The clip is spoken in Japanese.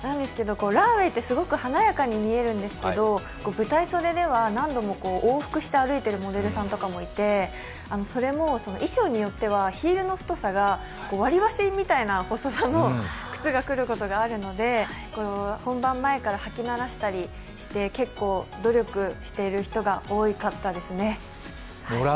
ランウェイってすごく華やかに見えるんですけど、舞台袖では何度も往復して歩いてるモデルさんとかもいてそれも衣装によってはヒールの太さが割り箸みたいな細さの靴が来ることがあるので、本番前から履き慣らしたりして結構、努力している人が多かったですね。